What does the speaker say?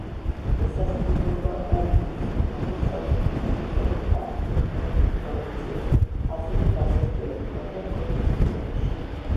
ესაზღვრებოდა ოულუს, აღმოსავლეთ ფინეთისა და სამხრეთ ფინეთის პროვინციებს, ასევე გასასვლელი ჰქონდა ბოტნიის ყურეში.